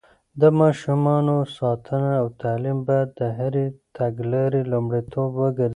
د ماشومانو ساتنه او تعليم بايد د هرې تګلارې لومړيتوب وګرځي.